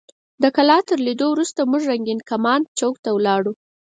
د کلا تر لیدو وروسته موږ رنګین کمان چوک ته لاړو.